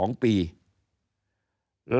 แล้วไปเป็นกรรมการที่ปรึกษา